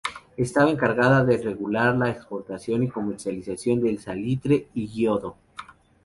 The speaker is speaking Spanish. Estaba encargada de regular la exportación y comercialización del salitre y iodo.